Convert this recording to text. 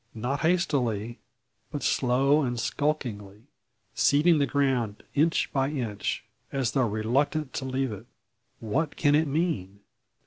Not hastily, but slow and skulkingly; ceding the ground inch by inch, as though reluctant to leave it. What can it mean?